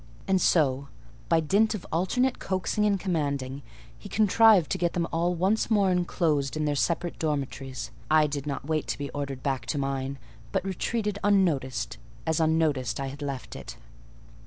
And so, by dint of alternate coaxing and commanding, he contrived to get them all once more enclosed in their separate dormitories. I did not wait to be ordered back to mine, but retreated unnoticed, as unnoticed I had left it.